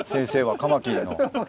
カマキリの。